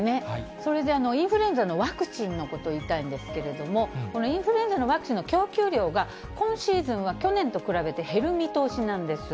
それでインフルエンザのワクチンのことを言いたいんですけれども、このインフルエンザのワクチンの供給量が、今シーズンは去年と比べて減る見通しなんです。